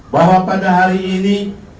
bahwa pada hari ini